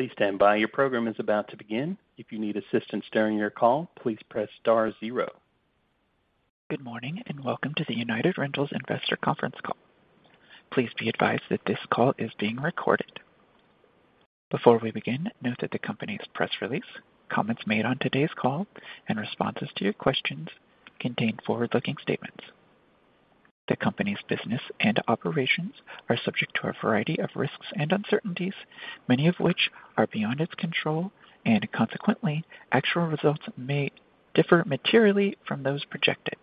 Please stand by. Your program is about to begin. If you need assistance during your call, please press star zero. Good morning, and welcome to the United Rentals investor conference call. Please be advised that this call is being recorded. Before we begin, note that the company's press release, comments made on today's call, and responses to your questions contain forward-looking statements. The company's business and operations are subject to a variety of risks and uncertainties, many of which are beyond its control, and consequently, actual results may differ materially from those projected.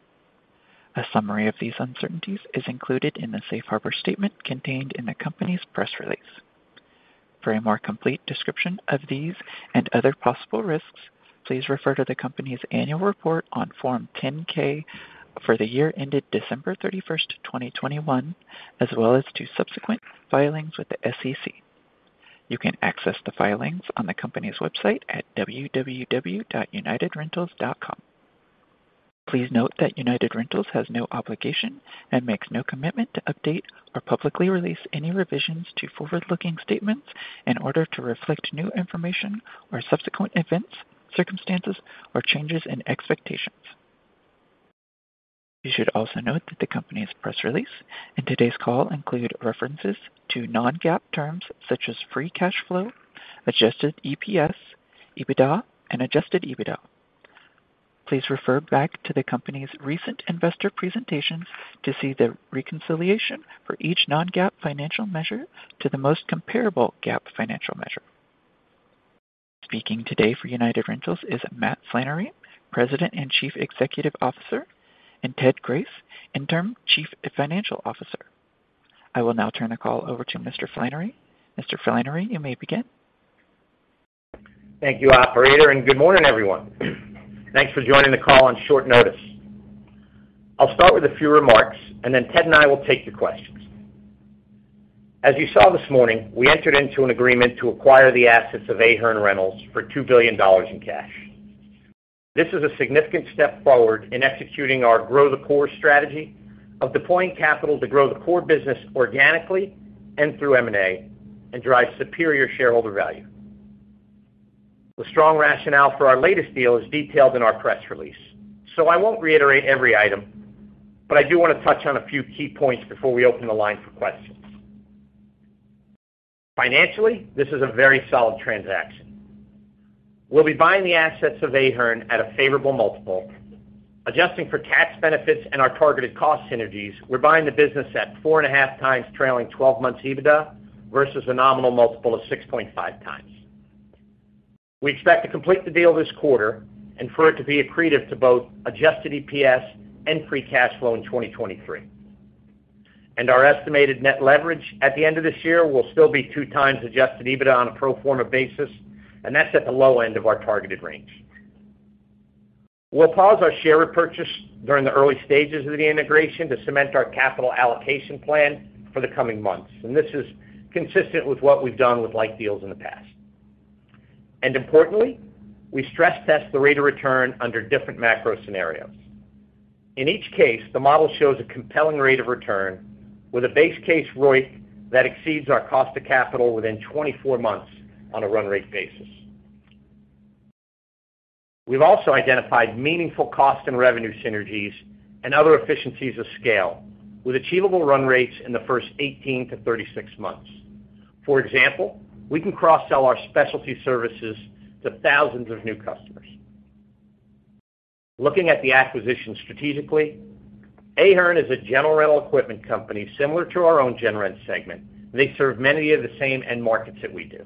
A summary of these uncertainties is included in the safe harbor statement contained in the company's press release. For a more complete description of these and other possible risks, please refer to the company's annual report on Form 10-K for the year ended December 31st, 2021, as well as to subsequent filings with the SEC. You can access the filings on the company's website at www.unitedrentals.com. Please note that United Rentals has no obligation and makes no commitment to update or publicly release any revisions to forward-looking statements in order to reflect new information or subsequent events, circumstances, or changes in expectations. You should also note that the company's press release and today's call include references to non-GAAP terms such as free cash flow, adjusted EPS, EBITDA, and adjusted EBITDA. Please refer back to the company's recent investor presentations to see the reconciliation for each non-GAAP financial measure to the most comparable GAAP financial measure. Speaking today for United Rentals is Matthew Flannery, President and Chief Executive Officer, and Ted Grace, Interim Chief Financial Officer. I will now turn the call over to Mr. Flannery. Mr. Flannery, you may begin. Thank you, operator, and good morning, everyone. Thanks for joining the call on short notice. I'll start with a few remarks, and then Ted and I will take the questions. As you saw this morning, we entered into an agreement to acquire the assets of Ahern Rentals for $2 billion in cash. This is a significant step forward in executing our grow the core strategy of deploying capital to grow the core business organically and through M&A and drive superior shareholder value. The strong rationale for our latest deal is detailed in our press release. I won't reiterate every item, but I do wanna touch on a few key points before we open the line for questions. Financially, this is a very solid transaction. We'll be buying the assets of Ahern at a favorable multiple. Adjusting for tax benefits and our targeted cost synergies, we're buying the business at 4.5x trailing twelve months EBITDA versus a nominal multiple of 6.5x. We expect to complete the deal this quarter and for it to be accretive to both adjusted EPS and free cash flow in 2023. Our estimated net leverage at the end of this year will still be 2x adjusted EBITDA on a pro forma basis, and that's at the low end of our targeted range. We'll pause our share repurchase during the early stages of the integration to cement our capital allocation plan for the coming months. This is consistent with what we've done with like deals in the past. Importantly, we stress test the rate of return under different macro scenarios. In each case, the model shows a compelling rate of return with a base case ROIC that exceeds our cost of capital within 24 months on a run rate basis. We've also identified meaningful cost and revenue synergies and other efficiencies of scale with achievable run rates in the first 18-36 months. For example, we can cross-sell our specialty services to thousands of new customers. Looking at the acquisition strategically, Ahern is a general rental equipment company similar to our own General rental segment. They serve many of the same end markets that we do.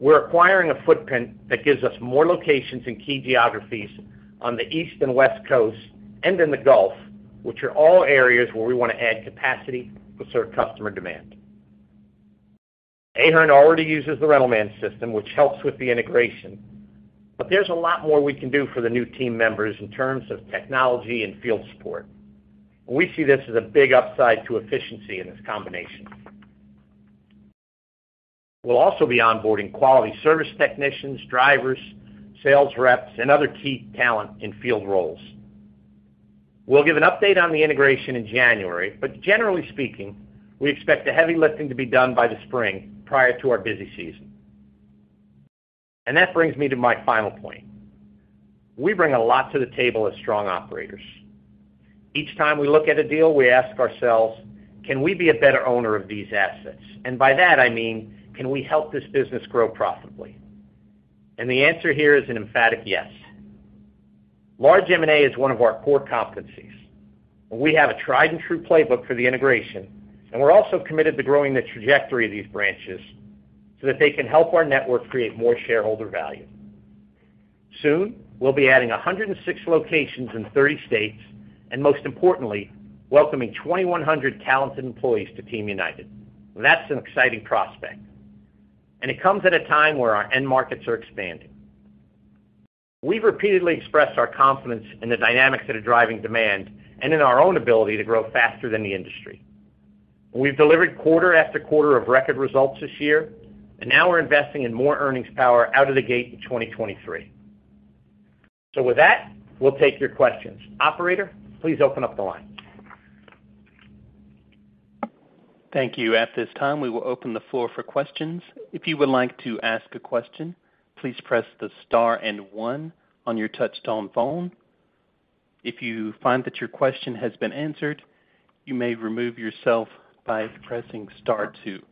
We're acquiring a footprint that gives us more locations in key geographies on the East and West Coasts and in the Gulf, which are all areas where we wanna add capacity to serve customer demand. Ahern already uses the RentalMan system, which helps with the integration, but there's a lot more we can do for the new team members in terms of technology and field support. We see this as a big upside to efficiency in this combination. We'll also be onboarding quality service technicians, drivers, sales reps, and other key talent in field roles. We'll give an update on the integration in January, but generally speaking, we expect the heavy lifting to be done by the spring prior to our busy season. That brings me to my final point. We bring a lot to the table as strong operators. Each time we look at a deal, we ask ourselves, "Can we be a better owner of these assets?" By that, I mean, can we help this business grow profitably? The answer here is an emphatic yes. Large M&A is one of our core competencies. We have a tried and true playbook for the integration, and we're also committed to growing the trajectory of these branches so that they can help our network create more shareholder value. Soon, we'll be adding 106 locations in 30 states, and most importantly, welcoming 2,100 talented employees to Team United. That's an exciting prospect, and it comes at a time where our end markets are expanding. We've repeatedly expressed our confidence in the dynamics that are driving demand and in our own ability to grow faster than the industry. We've delivered quarter after quarter of record results this year, and now we're investing in more earnings power out of the gate in 2023. With that, we'll take your questions. Operator, please open up the line. Thank you. At this time, we will open the floor for questions. If you would like to ask a question, please press the star and one on your touchtone phone. If you find that your question has been answered, you may remove yourself by pressing star two.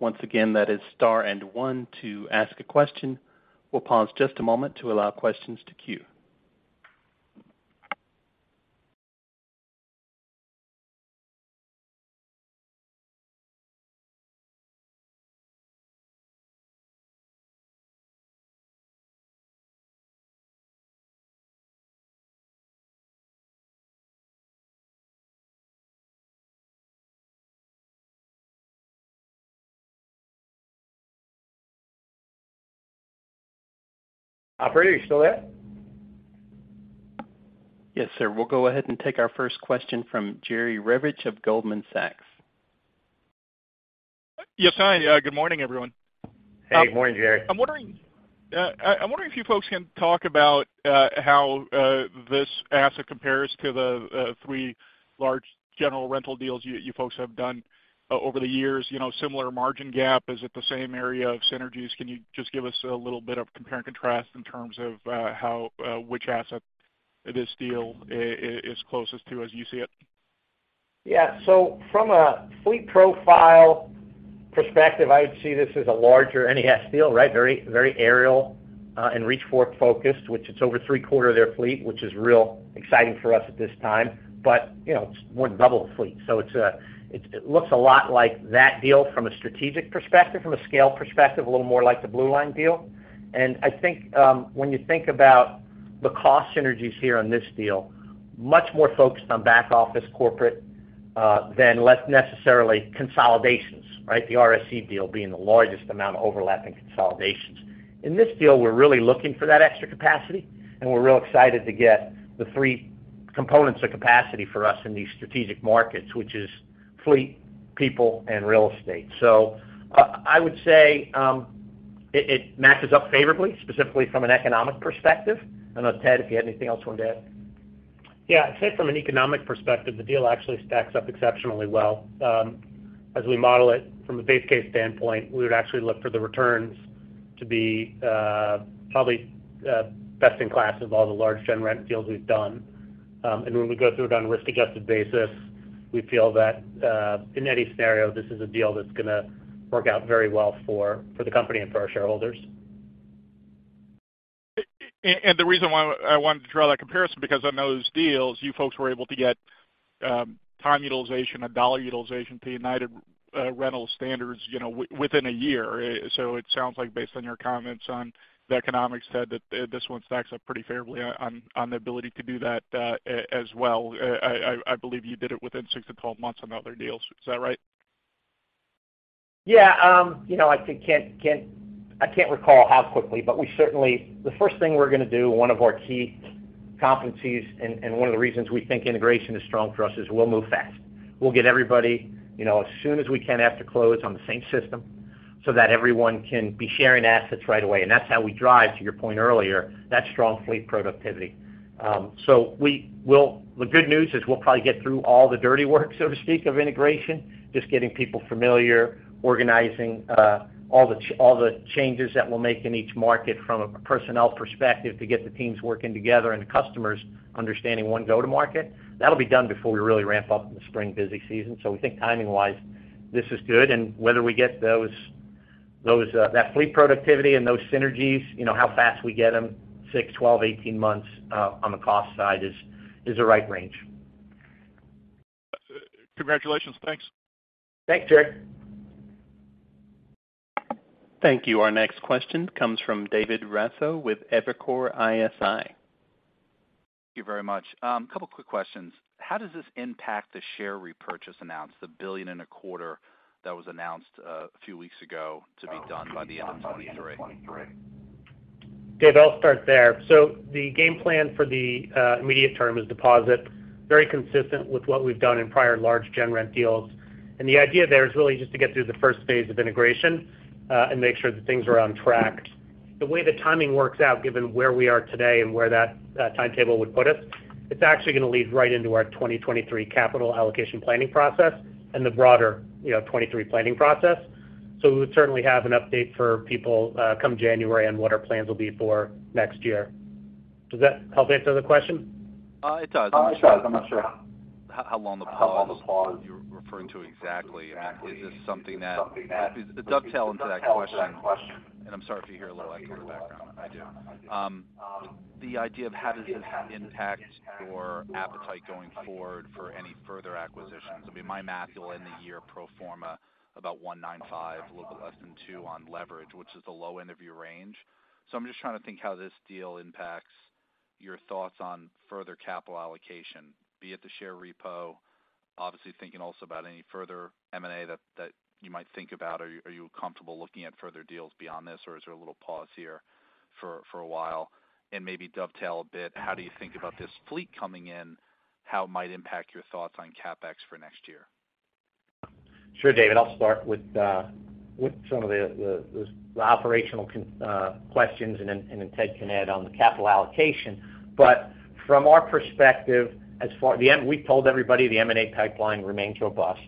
Once again, that is star and one to ask a question. We'll pause just a moment to allow questions to queue. Operator, are you still there? Yes, sir. We'll go ahead and take our first question from Jerry Revich of Goldman Sachs. Yes. Hi. Good morning, everyone. Hey, good morning, Jerry. I'm wondering if you folks can talk about how this asset compares to the three large general rental deals you folks have done over the years. You know, similar margin gap, is it the same area of synergies? Can you just give us a little bit of compare and contrast in terms of how which asset this deal is closest to as you see it? Yeah. From a fleet profile perspective, I'd see this as a larger NES deal, right? Very aerial and reach forklift focused, which it's over three-quarters of their fleet, which is real exciting for us at this time. But, you know, it's more than double the fleet. It's it looks a lot like that deal from a strategic perspective. From a scale perspective, a little more like the BlueLine deal. I think, when you think about the cost synergies here on this deal, much more focused on back office corporate than less necessarily consolidations, right? The RSC deal being the largest amount of overlapping consolidations. In this deal, we're really looking for that extra capacity, and we're real excited to get the three components of capacity for us in these strategic markets, which is fleet, people, and real estate. I would say it matches up favorably, specifically from an economic perspective. I don't know, Ted, if you had anything else you wanted to add. Yeah. I'd say from an economic perspective, the deal actually stacks up exceptionally well. As we model it from a base case standpoint, we would actually look for the returns to be probably best in class of all the large General rental deals we've done. When we go through it on a risk-adjusted basis, we feel that in any scenario, this is a deal that's gonna work out very well for the company and for our shareholders. The reason why I wanted to draw that comparison, because on those deals, you folks were able to get time utilization and dollar utilization to United Rentals standards, you know, within a year. It sounds like based on your comments on the economics, Ted, that this one stacks up pretty favorably on the ability to do that as well. I believe you did it within 6-12 months on the other deals. Is that right? Yeah. You know, I can't recall how quickly, but we certainly, the first thing we're gonna do, one of our key competencies and one of the reasons we think integration is strong for us is we'll move fast. We'll get everybody, you know, as soon as we can after close on the same system so that everyone can be sharing assets right away. That's how we drive, to your point earlier, that strong fleet productivity. The good news is we'll probably get through all the dirty work, so to speak, of integration, just getting people familiar, organizing, all the changes that we'll make in each market from a personnel perspective to get the teams working together and the customers understanding one go-to-market. That'll be done before we really ramp up in the spring busy season. We think timing-wise, this is good. Whether we get those that fleet productivity and those synergies, you know, how fast we get them, 6, 12, 18 months on the cost side is the right range. Congratulations. Thanks. Thanks, Jerry. Thank you. Our next question comes from David Raso with Evercore ISI. Thank you very much. A couple quick questions. How does this impact the share repurchase announcement, the $1.25 billion that was announced a few weeks ago to be done by the end of 2023? Dave, I'll start there. The game plan for the immediate term is deposit, very consistent with what we've done in prior large General rental deals. The idea there is really just to get through the first phase of integration and make sure that things are on track. The way the timing works out, given where we are today and where that timetable would put us, it's actually gonna lead right into our 2023 capital allocation planning process and the broader, you know, 2023 planning process. We would certainly have an update for people come January on what our plans will be for next year. Does that help answer the question? It does. I'm not sure how long the pause you're referring to exactly. I mean, is this something? To dovetail into that question, and I'm sorry if you hear a little echo in the background. I do. The idea of how does this impact your appetite going forward for any further acquisitions? I mean, my math, you'll end the year pro forma about 1.95, a little bit less than two on leverage, which is the low end of your range. I'm just trying to think how this deal impacts your thoughts on further capital allocation, be it the share repurchase, obviously thinking also about any further M&A that you might think about. Are you comfortable looking at further deals beyond this, or is there a little pause here for a while? Maybe dovetail a bit, how do you think about this fleet coming in, how it might impact your thoughts on CapEx for next year? Sure, David, I'll start with some of the operational questions and then Ted can add on the capital allocation. From our perspective, we told everybody the M&A pipeline remains robust.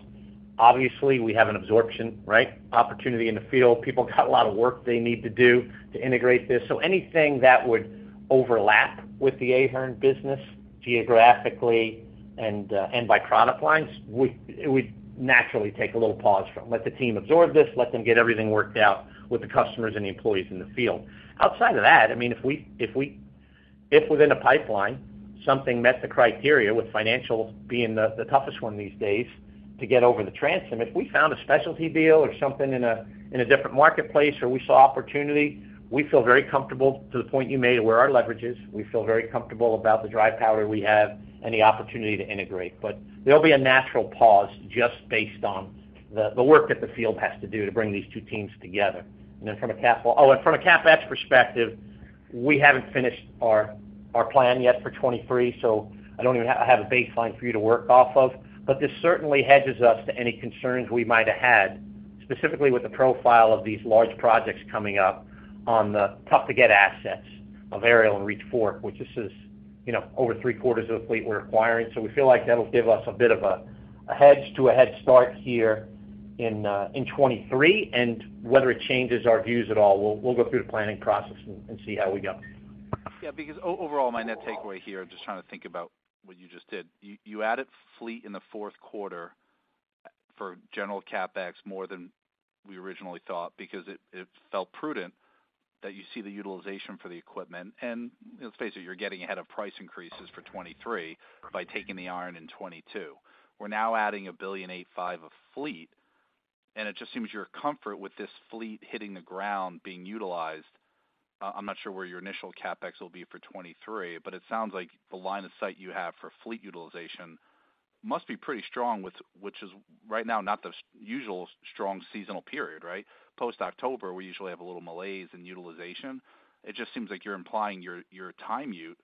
Obviously, we have an absorption, right, opportunity in the field. People got a lot of work they need to do to integrate this. Anything that would overlap with the Ahern business geographically and by product lines, we'd naturally take a little pause from. Let the team absorb this, let them get everything worked out with the customers and the employees in the field. Outside of that, I mean, if within a pipeline, something met the criteria, with financial being the toughest one these days to get over the transom. If we found a specialty deal or something in a different marketplace, or we saw opportunity, we feel very comfortable to the point you made of where our leverage is. We feel very comfortable about the dry powder we have and the opportunity to integrate. There'll be a natural pause just based on the work that the field has to do to bring these two teams together. From a CapEx perspective, we haven't finished our plan yet for 2023, so I don't even have a baseline for you to work off of. This certainly hedges us to any concerns we might have had, specifically with the profile of these large projects coming up on the tough-to-get assets of aerial and reach forklift, which this is, you know, over three-quarters of the fleet we're acquiring. We feel like that'll give us a bit of a hedge to a head start here in 2023. Whether it changes our views at all, we'll go through the planning process and see how we go. Yeah, because overall, my net takeaway here, I'm just trying to think about what you just did. You added fleet in the fourth quarter for general CapEx more than we originally thought because it felt prudent that you see the utilization for the equipment. Let's face it, you're getting ahead of price increases for 2023 by taking the iron in 2022. We're now adding $1.85 billion of fleet, and it just seems your comfort with this fleet hitting the ground being utilized. I'm not sure where your initial CapEx will be for 2023, but it sounds like the line of sight you have for fleet utilization must be pretty strong, which is right now not the usual strong seasonal period, right? Post-October, we usually have a little malaise in utilization. It just seems like you're implying your time utilization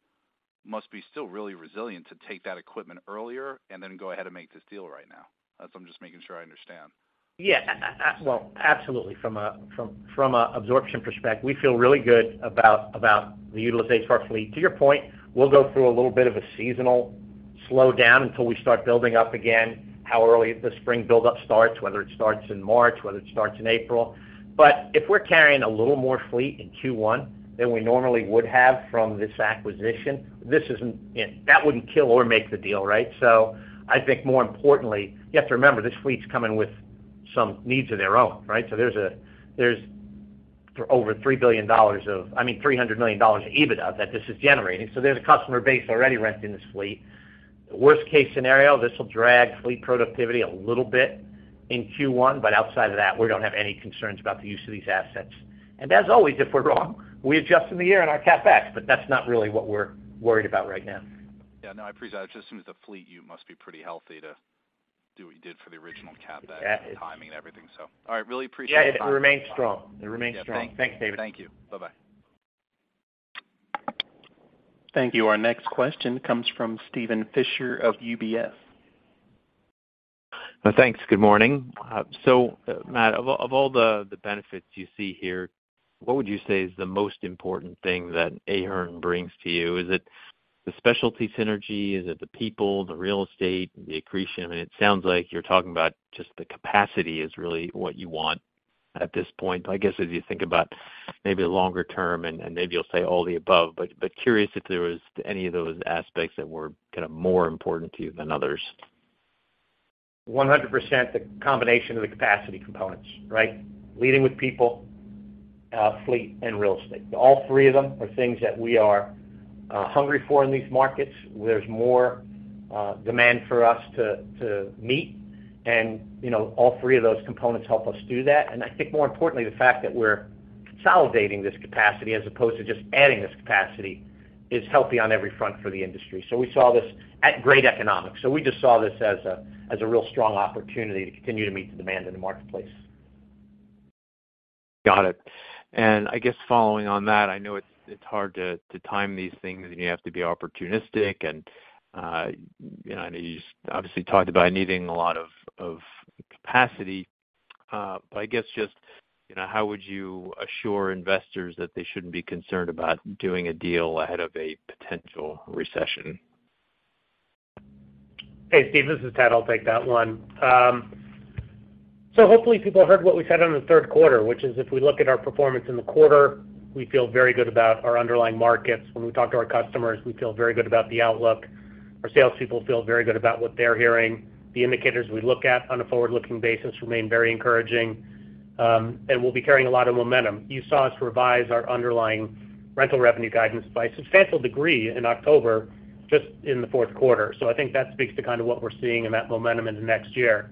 must be still really resilient to take that equipment earlier and then go ahead and make this deal right now. That's what I'm just making sure I understand. Yeah. Well, absolutely. From a absorption perspective, we feel really good about the utilization of our fleet. To your point, we'll go through a little bit of a seasonal slowdown until we start building up again, how early the spring buildup starts, whether it starts in March, whether it starts in April. If we're carrying a little more fleet in Q1 than we normally would have from this acquisition, this isn't, you know, that wouldn't kill or make the deal, right? I think more importantly, you have to remember, this fleet's coming with some needs of their own, right? There's a-- there's over $3 billion... I mean, $300 million of EBITDA that this is generating. There's a customer base already renting this fleet. Worst case scenario, this will drag fleet productivity a little bit in Q1. Outside of that, we don't have any concerns about the use of these assets. As always, if we're wrong, we adjust in the year in our CapEx, but that's not really what we're worried about right now. Yeah. No, I appreciate it. It just seems the fleet, you must be pretty healthy to do what you did for the original CapEx and the timing and everything. All right, really appreciate your time. Yeah, it remains strong. Yeah. Thanks, David. Thank you. Bye-bye. Thank you. Our next question comes from Steven Fisher of UBS. Thanks. Good morning. So, Matt, of all the benefits you see here, what would you say is the most important thing that Ahern brings to you? Is it the specialty synergy? Is it the people, the real estate, the accretion? I mean, it sounds like you're talking about just the capacity is really what you want at this point. I guess, as you think about maybe longer term, and maybe you'll say all the above, but curious if there was any of those aspects that were kind of more important to you than others. 100% the combination of the capacity components, right? Leading with people, fleet, and real estate. All three of them are things that we are hungry for in these markets. There's more demand for us to meet. You know, all three of those components help us do that. I think more importantly, the fact that we're consolidating this capacity as opposed to just adding this capacity is healthy on every front for the industry. We saw this at great economics. We just saw this as a real strong opportunity to continue to meet the demand in the marketplace. Got it. I guess following on that, I know it's hard to time these things, and you have to be opportunistic and, you know, and you just obviously talked about needing a lot of capacity. I guess just, you know, how would you assure investors that they shouldn't be concerned about doing a deal ahead of a potential recession? Hey, Steve, this is Ted. I'll take that one. Hopefully people heard what we said on the third quarter, which is if we look at our performance in the quarter, we feel very good about our underlying markets. When we talk to our customers, we feel very good about the outlook. Our salespeople feel very good about what they're hearing. The indicators we look at on a forward-looking basis remain very encouraging, and we'll be carrying a lot of momentum. You saw us revise our underlying rental revenue guidance by a substantial degree in October, just in the fourth quarter. I think that speaks to kind of what we're seeing in that momentum in the next year.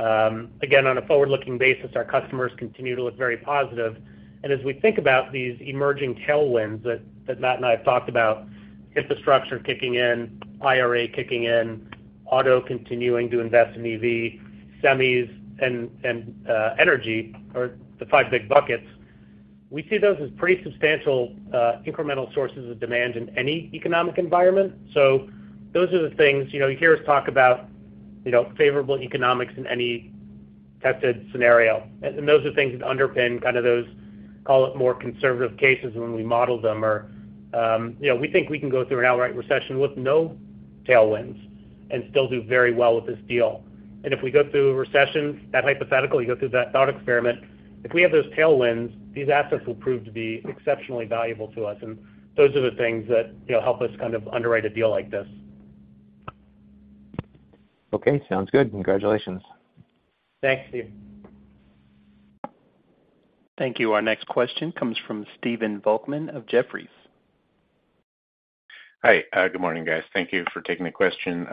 Again, on a forward-looking basis, our customers continue to look very positive. As we think about these emerging tailwinds that Matt and I have talked about, infrastructure kicking in, IRA kicking in, auto continuing to invest in EV, semis and energy are the five big buckets. We see those as pretty substantial, incremental sources of demand in any economic environment. Those are the things, you know, you hear us talk about, you know, favorable economics in any tested scenario. Those are things that underpin kind of those, call it more conservative cases when we model them or, you know, we think we can go through an outright recession with no tailwinds and still do very well with this deal. If we go through a recession, that hypothetical, you go through that thought experiment, if we have those tailwinds, these assets will prove to be exceptionally valuable to us, and those are the things that, you know, help us kind of underwrite a deal like this. Okay, sounds good. Congratulations. Thanks, Steve. Thank you. Our next question comes from Stephen Volkmann of Jefferies. Hi. Good morning, guys. Thank you for taking the question.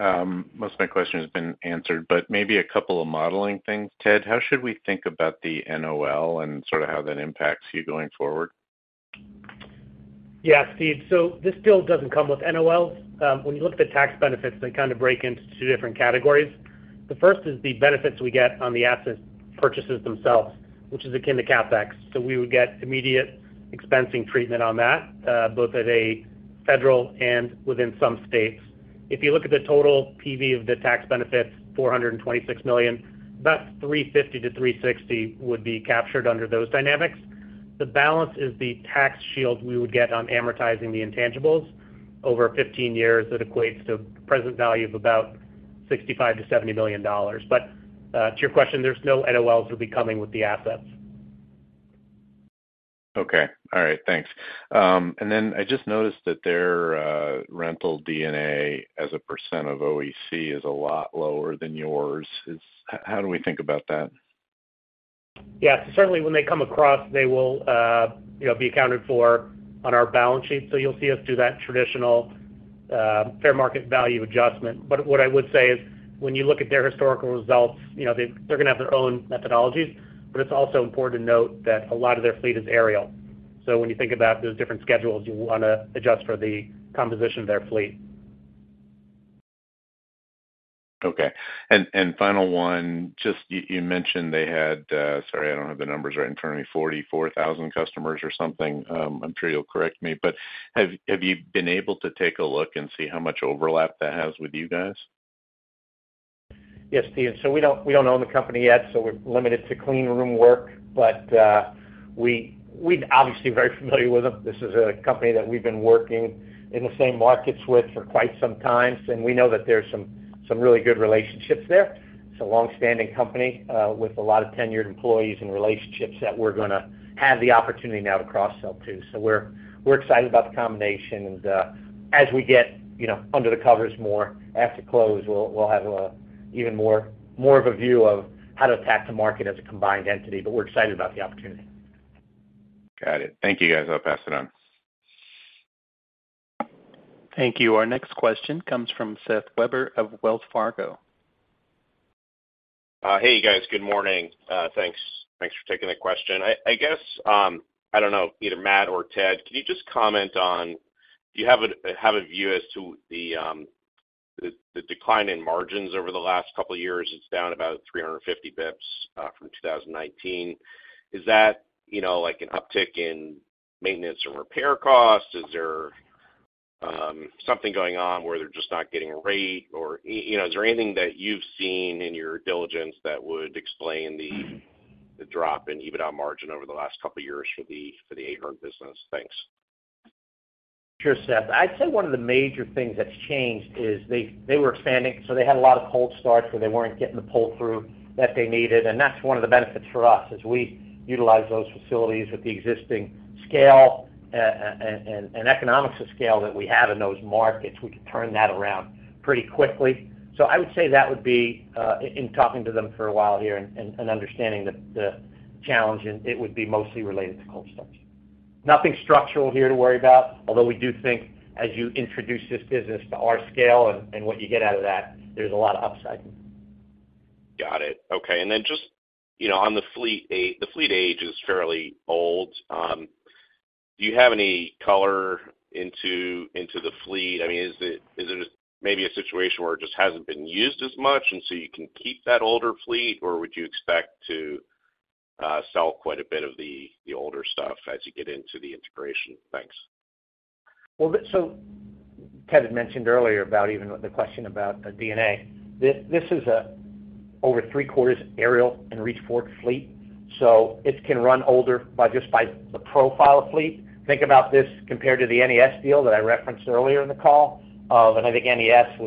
Most of my question has been answered, but maybe a couple of modeling things. Ted, how should we think about the NOL and sort of how that impacts you going forward? Yeah, Steve. This deal doesn't come with NOLs. When you look at the tax benefits, they kind of break into two different categories. The first is the benefits we get on the asset purchases themselves, which is akin to CapEx. We would get immediate expensing treatment on that, both at a federal and within some states. If you look at the total PV of the tax benefits, $426 million, about $350 million-$360 million would be captured under those dynamics. The balance is the tax shield we would get on amortizing the intangibles over 15 years that equates to present value of about $65 million-$70 million. To your question, there's no NOLs that'll be coming with the assets. I just noticed that their rental D&A as a percent of OEC is a lot lower than yours. How do we think about that? Yeah. Certainly when they come across, they will, you know, be accounted for on our balance sheet. So you'll see us do that traditional, fair market value adjustment. But what I would say is, when you look at their historical results, you know, they're gonna have their own methodologies, but it's also important to note that a lot of their fleet is aerial. So when you think about those different schedules, you wanna adjust for the composition of their fleet. Okay. Final one, just you mentioned they had, sorry, I don't have the numbers right in front of me, 44,000 customers or something. I'm sure you'll correct me, but have you been able to take a look and see how much overlap that has with you guys? Yes, Steve. We don't own the company yet, so we're limited to clean room work. We're obviously very familiar with them. This is a company that we've been working in the same markets with for quite some time, and we know that there's some really good relationships there. It's a long-standing company with a lot of tenured employees and relationships that we're gonna have the opportunity now to cross-sell to. We're excited about the combination. As we get you know under the covers more after close, we'll have an even more of a view of how to attack the market as a combined entity, but we're excited about the opportunity. Got it. Thank you, guys. I'll pass it on. Thank you. Our next question comes from Seth Weber of Wells Fargo. Hey, guys. Good morning. Thanks for taking the question. I guess I don't know, either Matt or Ted, can you just comment on, do you have a view as to the decline in margins over the last couple of years? It's down about 350 basis points from 2019. Is that, you know, like an uptick in maintenance or repair costs? Is there something going on where they're just not getting a rate? Or, you know, is there anything that you've seen in your diligence that would explain the drop in EBITDA margin over the last couple of years for the Ahern business? Thanks. Sure, Seth. I'd say one of the major things that's changed is they were expanding, so they had a lot of cold starts where they weren't getting the pull-through that they needed, and that's one of the benefits for us. As we utilize those facilities with the existing scale and economics of scale that we have in those markets, we can turn that around pretty quickly. I would say that would be in talking to them for a while here and understanding the challenge, and it would be mostly related to cold starts. Nothing structural here to worry about, although we do think as you introduce this business to our scale and what you get out of that, there's a lot of upside. Got it. Okay. Just, you know, on the fleet age is fairly old. Do you have any color into the fleet? I mean, is it maybe a situation where it just hasn't been used as much, and so you can keep that older fleet, or would you expect to sell quite a bit of the older stuff as you get into the integration? Thanks. Ted had mentioned earlier about even the question about D&A. This is over three-quarters aerial and reach fork fleet, so it can run older by just the profile of fleet. Think about this compared to the NES deal that I referenced earlier in the call, but I think NES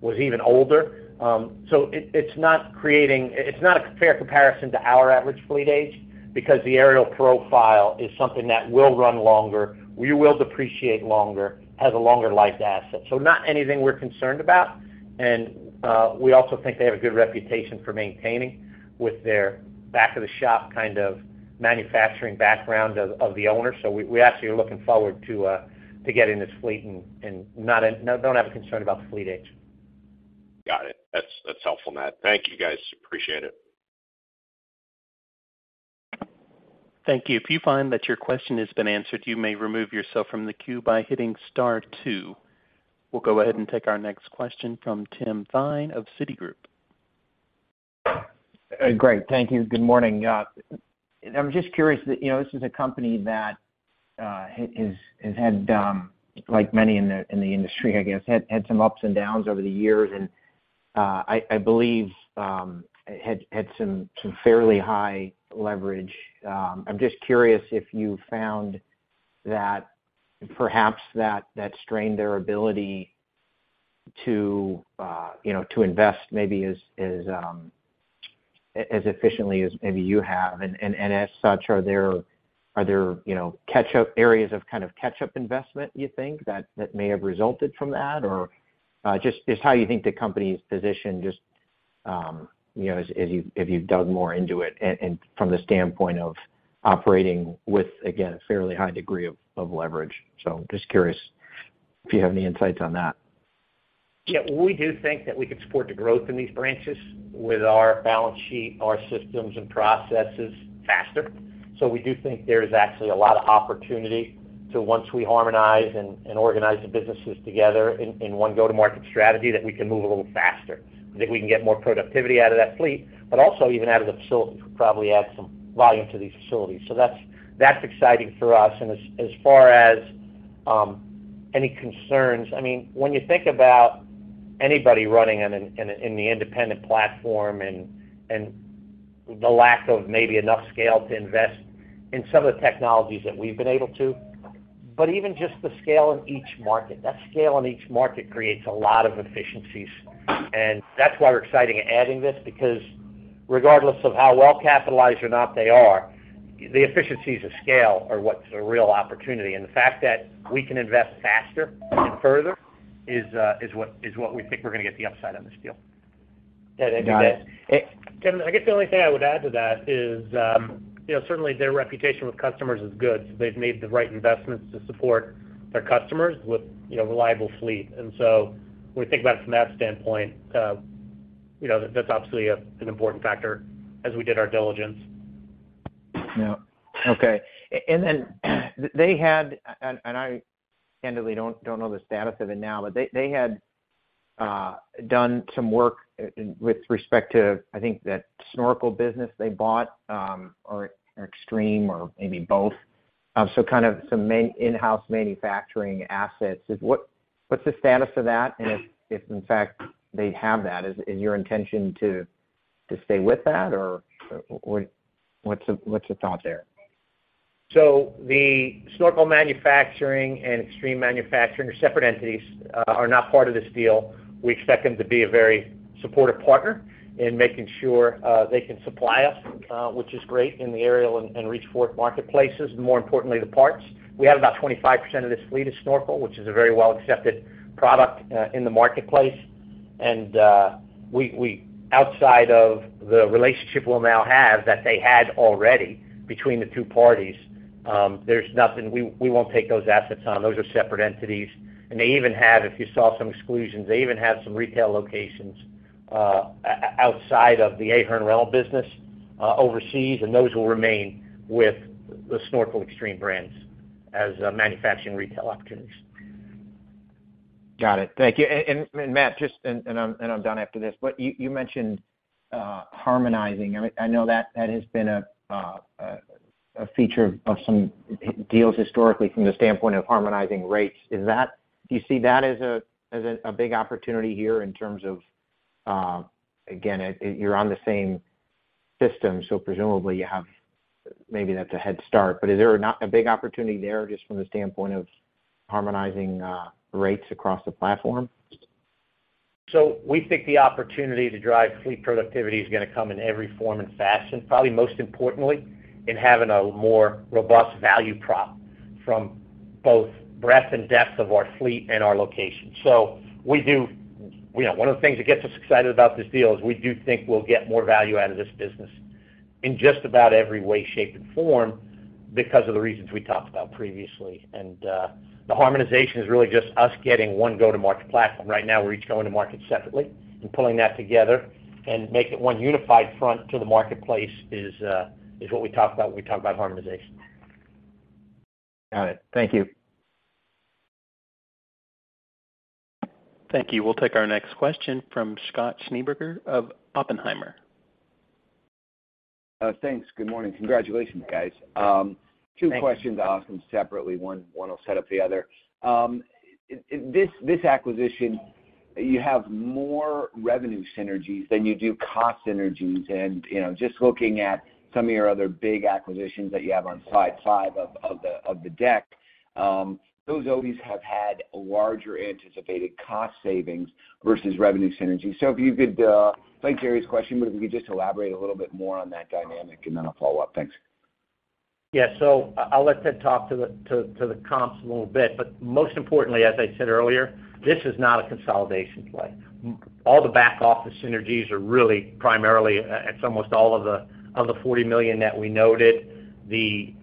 was even older. It's not a fair comparison to our average fleet age because the aerial profile is something that will run longer. We will depreciate longer, has a longer life to asset. Not anything we're concerned about. We also think they have a good reputation for maintaining with their back of the shop kind of manufacturing background of the owner. We actually are looking forward to getting this fleet and don't have a concern about the fleet age. Got it. That's helpful, Matt. Thank you, guys. Appreciate it. Thank you. If you find that your question has been answered, you may remove yourself from the queue by hitting star two. We'll go ahead and take our next question from Tim Thein of Citigroup. Great. Thank you. Good morning. I'm just curious that, you know, this is a company that has had, like many in the industry, I guess, had some ups and downs over the years. I believe had some fairly high leverage. I'm just curious if you found that perhaps that strained their ability to, you know, to invest maybe as efficiently as maybe you have. as such, are there, you know, catch-up areas of kind of catch-up investment, you think, that may have resulted from that? Just how you think the company's positioned just, you know, as you've dug more into it and from the standpoint of operating with, again, a fairly high degree of leverage. Just curious if you have any insights on that. Yeah. We do think that we could support the growth in these branches with our balance sheet, our systems and processes faster. We do think there is actually a lot of opportunity to, once we harmonize and organize the businesses together in one go-to-market strategy, that we can move a little faster, that we can get more productivity out of that fleet. Also even out of the facilities, we could probably add some volume to these facilities. That's exciting for us. As far as any concerns, I mean, when you think about anybody running on an independent platform and the lack of maybe enough scale to invest in some of the technologies that we've been able to, but even just the scale in each market. That scale in each market creates a lot of efficiencies, and that's why we're excited at adding this because regardless of how well capitalized or not they are, the efficiencies of scale are what's a real opportunity. The fact that we can invest faster and further is what we think we're gonna get the upside on this deal. Got it. Yeah, I guess. It- Kevin, I guess the only thing I would add to that is, you know, certainly their reputation with customers is good, so they've made the right investments to support their customers with, you know, reliable fleet. When we think about it from that standpoint, you know, that's obviously an important factor as we did our diligence. I candidly don't know the status of it now, but they had done some work with respect to, I think, that Snorkel business they bought, or Xtreme or maybe both. Kind of some in-house manufacturing assets. What's the status of that? If in fact they have that, is your intention to stay with that or what's the thought there? The Snorkel manufacturing and Xtreme Manufacturing are separate entities, are not part of this deal. We expect them to be a very supportive partner in making sure they can supply us, which is great in the aerial and reach forklift marketplaces, and more importantly, the parts. We have about 25% of this fleet is Snorkel, which is a very well accepted product in the marketplace. Outside of the relationship we'll now have that they had already between the two parties, there's nothing. We won't take those assets on. Those are separate entities. They even have, if you saw some exclusions, some retail locations outside of the Ahern Rentals business, overseas, and those will remain with the Snorkel Xtreme brands as manufacturing retail opportunities. Got it. Thank you. Matt, just and I'm done after this, but you mentioned harmonizing. I mean, I know that has been a feature of some deals historically from the standpoint of harmonizing rates. Do you see that as a big opportunity here in terms of, again, you're on the same system, so presumably you have a head start, but is there not a big opportunity there just from the standpoint of harmonizing rates across the platform? We think the opportunity to drive fleet productivity is gonna come in every form and fashion, probably most importantly in having a more robust value prop from both breadth and depth of our fleet and our location. You know, one of the things that gets us excited about this deal is we do think we'll get more value out of this business in just about every way, shape, and form because of the reasons we talked about previously. The harmonization is really just us getting one go-to-market platform. Right now, we're each going to market separately and pulling that together and make it one unified front to the marketplace is what we talk about when we talk about harmonization. Got it. Thank you. Thank you. We'll take our next question from Scott Schneeberger of Oppenheimer. Thanks. Good morning. Congratulations, guys. Thank you. Two questions. I'll ask them separately. One will set up the other. This acquisition, you have more revenue synergies than you do cost synergies. You know, just looking at some of your other big acquisitions that you have on slide five of the deck, those always have had a larger anticipated cost savings versus revenue synergy. If you could, like Jerry's question, but if you could just elaborate a little bit more on that dynamic, and then I'll follow up. Thanks. Yeah. I'll let Ted talk to the comps a little bit. Most importantly, as I said earlier, this is not a consolidation play. All the back office synergies are really primarily, it's almost all of the $40 million that we noted. The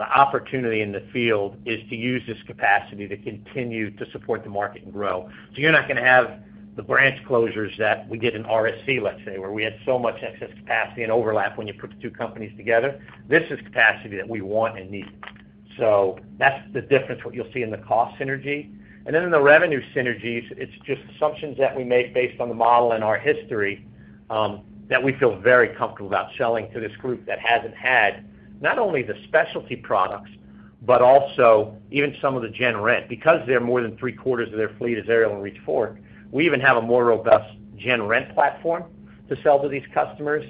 opportunity in the field is to use this capacity to continue to support the market and grow. You're not gonna have the branch closures that we did in RSC, let's say, where we had so much excess capacity and overlap when you put the two companies together. This is capacity that we want and need. That's the difference what you'll see in the cost synergy. In the revenue synergies, it's just assumptions that we make based on the model and our history, that we feel very comfortable about selling to this group that hasn't had not only the specialty products, but also even some of the General rental. Because they're more than three-quarters of their fleet is aerial and reach forklifts, we even have a more robust General rental platform to sell to these customers.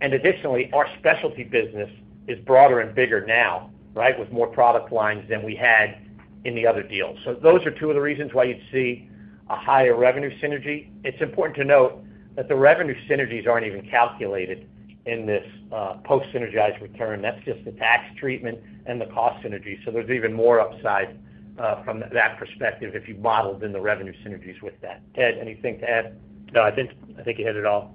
Additionally, our specialty business is broader and bigger now, right, with more product lines than we had in the other deals. Those are two of the reasons why you'd see a higher revenue synergy. It's important to note that the revenue synergies aren't even calculated in this, post synergized return. That's just the tax treatment and the cost synergy. There's even more upside, from that perspective if you modeled in the revenue synergies with that. Ted, anything to add? No, I think you hit it all.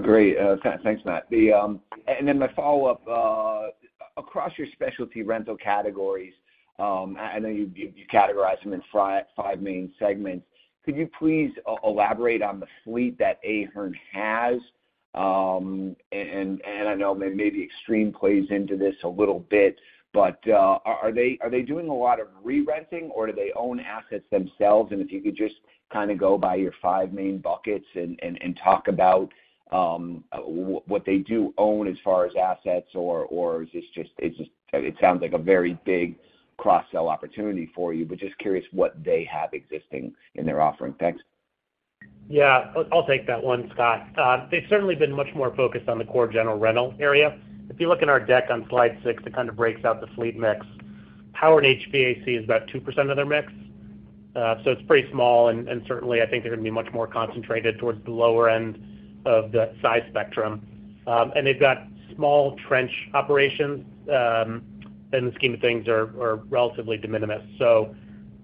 Great. Thanks, Matt. Then my follow-up. Across your specialty rental categories, I know you categorize them in five main segments. Could you please elaborate on the fleet that Ahern has? I know maybe Xtreme plays into this a little bit, but are they doing a lot of re-renting or do they own assets themselves? If you could just kinda go by your five main buckets and talk about what they do own as far as assets or is this just it. It sounds like a very big cross-sell opportunity for you, but just curious what they have existing in their offering. Thanks. Yeah. I'll take that one, Scott. They've certainly been much more focused on the core general rental area. If you look in our deck on Slide 6, it kind of breaks out the fleet mix. Power & HVAC is about 2% of their mix, so it's pretty small, and certainly I think they're gonna be much more concentrated towards the lower end of the size spectrum. They've got small trench operations, in the scheme of things, are relatively de minimis.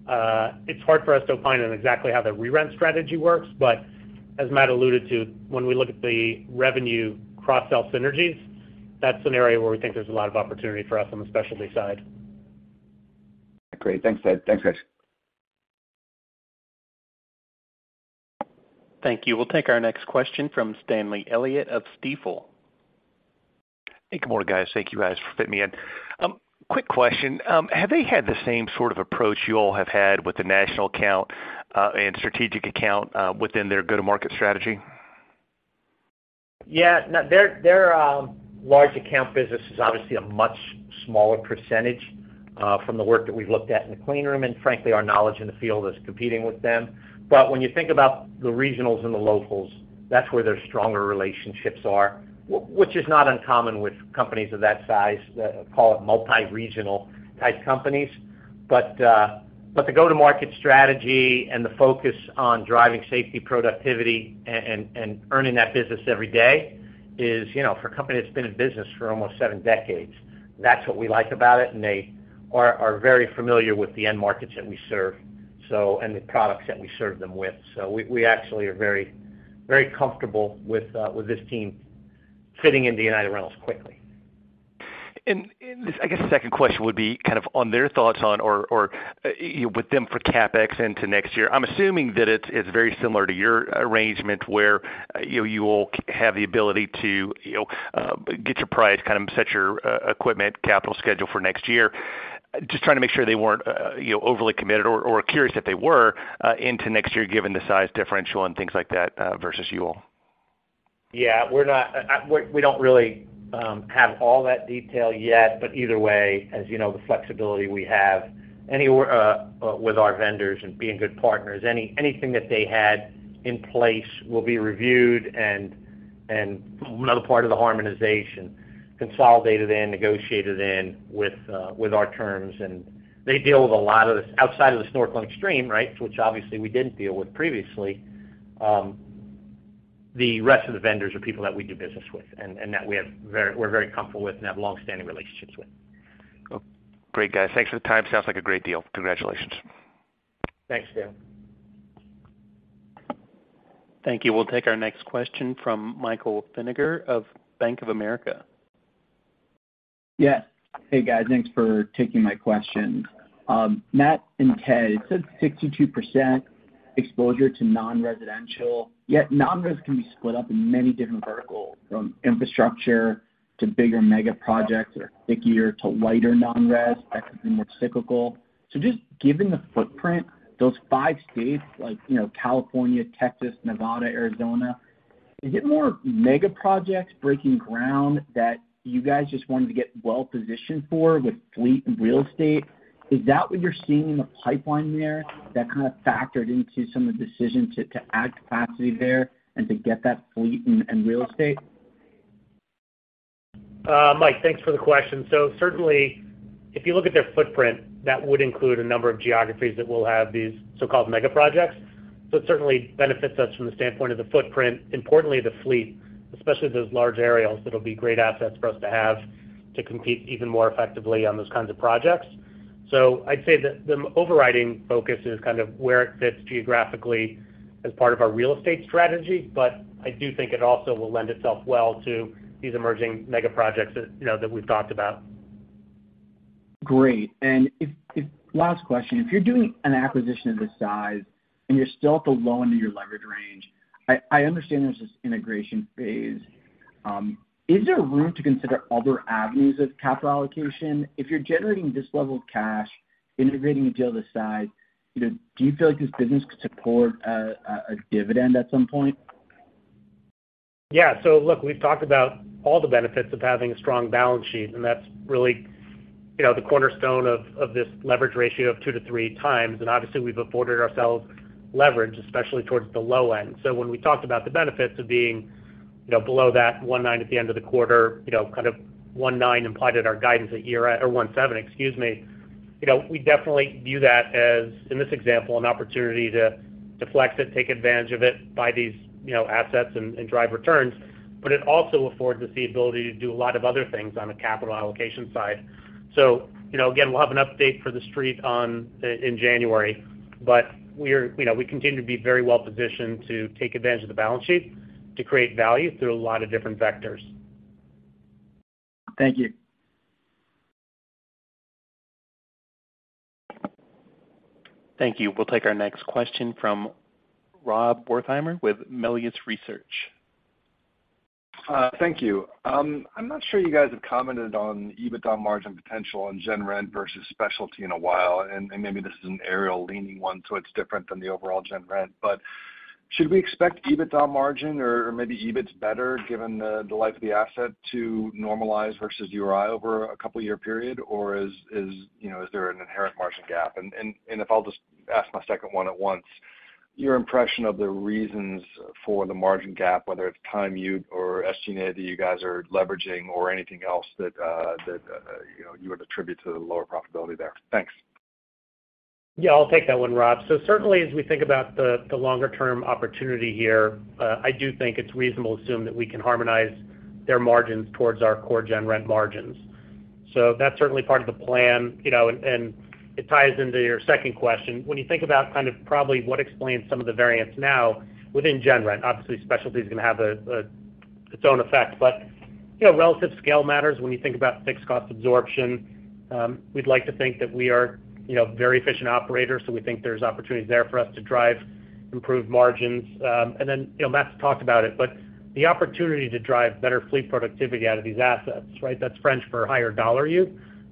It's hard for us to opine on exactly how the re-rent strategy works. As Matt alluded to, when we look at the revenue cross-sell synergies, that's an area where we think there's a lot of opportunity for us on the specialty side. Great. Thanks, Ted. Thanks, guys. Thank you. We'll take our next question from Stanley Elliott of Stifel. Hey, good morning, guys. Thank you guys for fitting me in. Quick question. Have they had the same sort of approach you all have had with the national account and strategic account within their go-to-market strategy? Yeah. No, their large account business is obviously a much smaller percentage from the work that we've looked at in the clean room, and frankly, our knowledge in the field of competing with them. When you think about the regionals and the locals, that's where their stronger relationships are, which is not uncommon with companies of that size, call it multi-regional type companies. The go-to-market strategy and the focus on driving safety, productivity, and earning that business every day is, you know, for a company that's been in business for almost seven decades, that's what we like about it, and they are very familiar with the end markets that we serve, and the products that we serve them with. We actually are very comfortable with this team fitting into United Rentals quickly. This, I guess the second question would be kind of on their thoughts on or, you know, with them for CapEx into next year. I'm assuming that it's very similar to your arrangement where, you know, you all have the ability to, you know, get your prize, kind of set your equipment capital schedule for next year. Just trying to make sure they weren't, you know, overly committed or curious if they were into next year given the size differential and things like that versus you all. Yeah. We don't really have all that detail yet. Either way, as you know, the flexibility we have anywhere with our vendors and being good partners, anything that they had in place will be reviewed and another part of the harmonization consolidated in, negotiated in with our terms. They deal with a lot of this outside of the Snorkel and Xtreme, right, which obviously we didn't deal with previously. The rest of the vendors are people that we do business with and that we have very comfortable with and have longstanding relationships with. Cool. Great, guys. Thanks for the time. Sounds like a great deal. Congratulations. Thanks, Stan. Thank you. We'll take our next question from Michael Feniger of Bank of America. Yes. Hey, guys. Thanks for taking my question. Matt and Ted, it says 62% exposure to non-residential, yet non-res can be split up in many different verticals, from infrastructure to bigger megaprojects or thicker to lighter non-res, that can be more cyclical. Given the footprint, those five states like, you know, California, Texas, Nevada, Arizona, is it more megaprojects breaking ground that you guys just wanted to get well-positioned for with fleet and real estate? Is that what you're seeing in the pipeline there that kind of factored into some of the decisions to add capacity there and to get that fleet and real estate? Mike, thanks for the question. Certainly, if you look at their footprint, that would include a number of geographies that will have these so-called megaprojects. It certainly benefits us from the standpoint of the footprint, importantly the fleet, especially those large aerials that'll be great assets for us to have to compete even more effectively on those kinds of projects. I'd say that the overriding focus is kind of where it fits geographically as part of our real estate strategy, but I do think it also will lend itself well to these emerging megaprojects that, you know, that we've talked about. Great. Last question. If you're doing an acquisition of this size and you're still at the low end of your leverage range, I understand there's this integration phase. Is there room to consider other avenues of capital allocation? If you're generating this level of cash integrating a deal this size, you know, do you feel like this business could support a dividend at some point? Yeah. Look, we've talked about all the benefits of having a strong balance sheet, and that's really, you know, the cornerstone of this leverage ratio of two-three times. Obviously, we've afforded ourselves leverage, especially towards the low end. When we talked about the benefits of being, you know, below that 1.9 at the end of the quarter, you know, kind of 1.9 implied at our guidance—or 1.7, excuse me. You know, we definitely view that as, in this example, an opportunity to flex it, take advantage of it, buy these, you know, assets and drive returns. It also affords us the ability to do a lot of other things on the capital allocation side. You know, again, we'll have an update for the Street in January. We're, you know, we continue to be very well-positioned to take advantage of the balance sheet to create value through a lot of different vectors. Thank you. Thank you. We'll take our next question from Rob Wertheimer with Melius Research. Thank you. I'm not sure you guys have commented on EBITDA margin potential on General rental versus specialty in a while, and maybe this is an aerial leaning one, so it's different than the overall General rental. Should we expect EBITDA margin or maybe EBIT's better given the life of the asset to normalize versus URI over a couple-year period? Or you know, is there an inherent margin gap? If I'll just ask my second one at once, your impression of the reasons for the margin gap, whether it's time utilization or SG&A that you guys are leveraging or anything else that you know, you would attribute to the lower profitability there. Thanks. Yeah, I'll take that one, Rob. Certainly, as we think about the longer term opportunity here, I do think it's reasonable to assume that we can harmonize their margins towards our core General rental margins. That's certainly part of the plan, you know, and it ties into your second question. When you think about kind of probably what explains some of the variance now within General rental, obviously Specialty is gonna have its own effect. You know, relative scale matters when you think about fixed cost absorption. We'd like to think that we are, you know, very efficient operators, so we think there's opportunities there for us to drive improved margins. And then, you know, Matt's talked about it, but the opportunity to drive better fleet productivity out of these assets, right? That's French for higher dollar yield.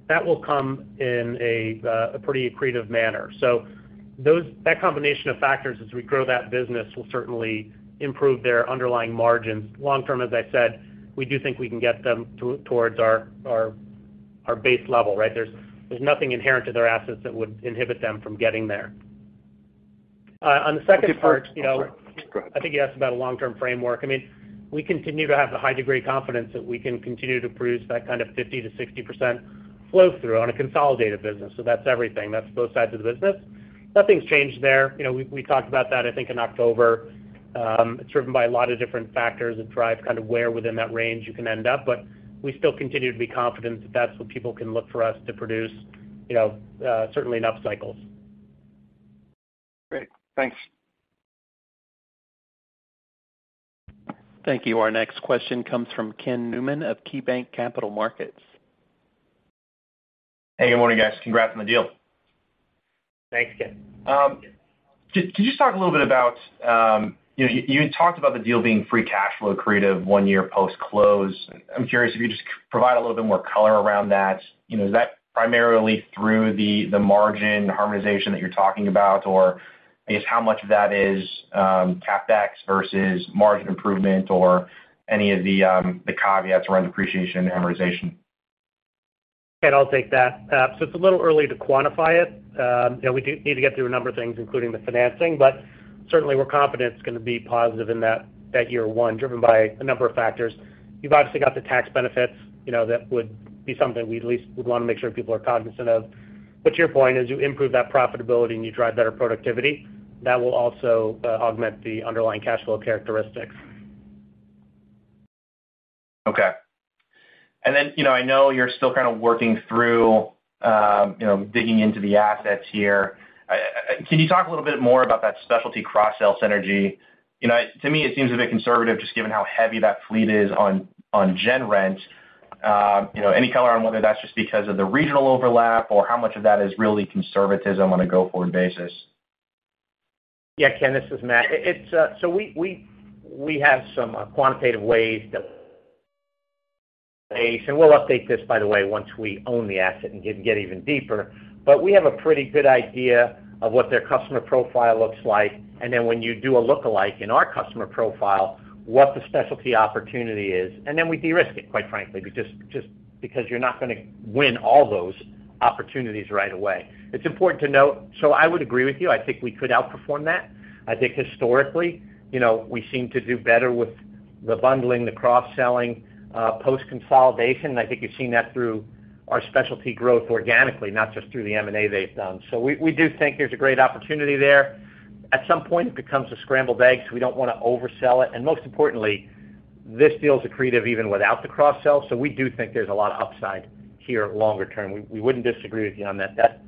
That will come in a pretty accretive manner. That combination of factors as we grow that business will certainly improve their underlying margins. Long-term, as I said, we do think we can get them towards our base level, right? There's nothing inherent to their assets that would inhibit them from getting there. On the second part, you know, I think you asked about a long-term framework. I mean, we continue to have a high degree of confidence that we can continue to produce that kind of 50%-60% flow-through on a consolidated business. That's everything. That's both sides of the business. Nothing's changed there. You know, we talked about that, I think, in October. It's driven by a lot of different factors that drive kind of where within that range you can end up, but we still continue to be confident that that's what people can look for us to produce, you know, certainly in up cycles. Great. Thanks. Thank you. Our next question comes from Ken Newman of KeyBanc Capital Markets. Hey, good morning, guys. Congrats on the deal. Thanks, Ken. Could you just talk a little bit about, you know, you had talked about the deal being free cash flow accretive one year post-close. I'm curious if you could just provide a little bit more color around that. You know, is that primarily through the margin harmonization that you're talking about? Or I guess how much of that is CapEx versus margin improvement or any of the caveats around depreciation and amortization? Ken, I'll take that. It's a little early to quantify it. You know, we need to get through a number of things, including the financing. Certainly, we're confident it's gonna be positive in that year one, driven by a number of factors. You've obviously got the tax benefits, you know, that would be something we at least would wanna make sure people are cognizant of. To your point, as you improve that profitability and you drive better productivity, that will also augment the underlying cash flow characteristics. Okay. You know, I know you're still kind of working through, you know, digging into the assets here. Can you talk a little bit more about that specialty cross-sell synergy? You know, to me, it seems a bit conservative just given how heavy that fleet is on General rental. You know, any color on whether that's just because of the regional overlap or how much of that is really conservatism on a go-forward basis? Yeah, Ken, this is Matt. It's we have some quantitative ways that we base, and we'll update this, by the way, once we own the asset and get even deeper. We have a pretty good idea of what their customer profile looks like, and then when you do a lookalike in our customer profile, what the specialty opportunity is, and then we de-risk it, quite frankly, just because you're not gonna win all those opportunities right away. It's important to note. I would agree with you. I think we could outperform that. I think historically, you know, we seem to do better with the bundling, the cross-selling, post-consolidation. I think you've seen that through our specialty growth organically, not just through the M&A they've done. We do think there's a great opportunity there. At some point, it becomes a scrambled egg, so we don't wanna oversell it. Most importantly, this deal's accretive even without the cross-sell. We do think there's a lot of upside here longer term. We wouldn't disagree with you on that.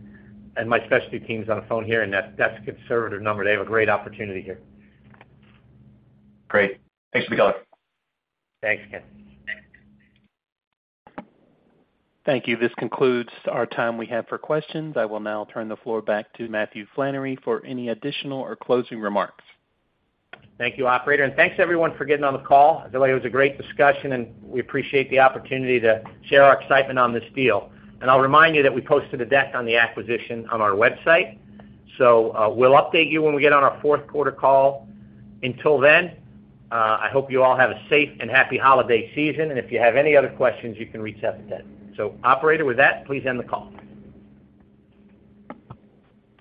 My specialty team's on the phone here, and that's a conservative number. They have a great opportunity here. Great. Thanks for the color. Thanks, Ken. Thank you. This concludes our time we have for questions. I will now turn the floor back to Matthew Flannery for any additional or closing remarks. Thank you, operator, and thanks everyone for getting on the call. I feel like it was a great discussion, and we appreciate the opportunity to share our excitement on this deal. I'll remind you that we posted a deck on the acquisition on our website. We'll update you when we get on our fourth quarter call. Until then, I hope you all have a safe and happy holiday season. If you have any other questions, you can reach out to Ted. Operator, with that, please end the call.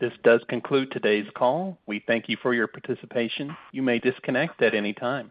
This does conclude today's call. We thank you for your participation. You may disconnect at any time.